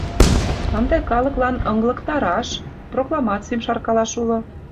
Ынде калыклан ыҥлыктараш, прокламаций шаркалаш уло.